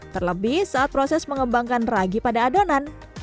terlebih saat proses mengembangkan ragi pada adonan